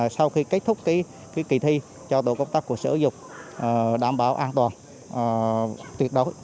sau khi kết thúc kỳ thi cho tổ công tác của sở giáo dục đảm bảo an toàn tuyệt đối